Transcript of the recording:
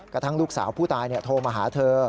กระทั่งลูกสาวผู้ตายโทรมาหาเธอ